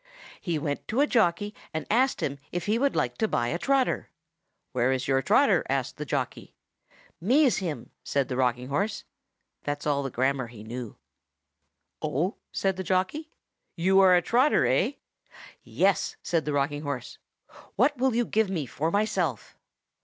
He went to a jockey and asked him if he would like to buy a trotter. "Where is your trotter?" asked the jockey. "Me's him," said the rocking horse. That was all the grammar he knew. "Oh!" said the jockey. "You are the trotter, eh?" "Yes," said the rocking horse. "What will you give me for myself?"